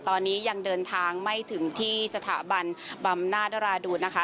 ตอนนี้ยังเดินทางไม่ถึงที่สถาบันบำนาจราดูนนะคะ